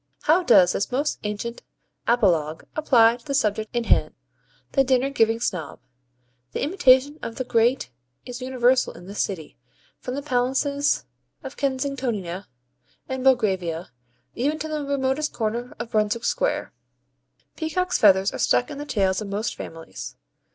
How does this most ancient apologue apply to the subject in hand? the Dinner giving Snob. The imitation of the great is universal in this city, from the palaces of Kensingtonia and Belgravia, even to the remotest corner of Brunswick Square. Peacocks' feathers are stuck in the tails of most families.